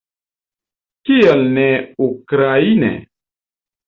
Kial ne ukraine?